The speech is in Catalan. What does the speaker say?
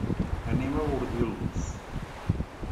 Anem a Bordils.